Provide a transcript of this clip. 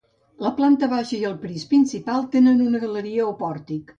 La planta baixa i el pis principal tenen una galeria o pòrtic.